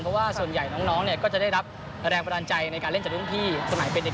เพราะว่าส่วนใหญ่น้องเนี่ยก็จะได้รับแรงบันดาลใจในการเล่นจากรุ่นพี่สมัยเป็นเด็ก